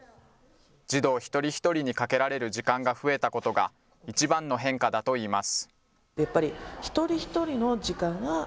児童一人一人にかけられる時間が増えたことが、一番の変化だといいます。